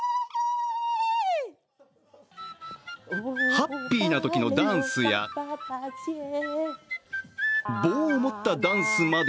ハッピーなときのダンスや棒を持ったダンスまで。